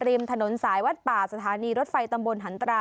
ริมถนนสายวัดป่าสถานีรถไฟตำบลหันตรา